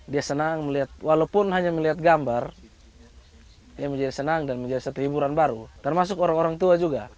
dia senang melihat walaupun hanya melihat gambar dia menjadi senang dan menjadi satu hiburan baru termasuk orang orang tua juga